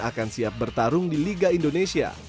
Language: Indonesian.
akan siap bertarung di liga indonesia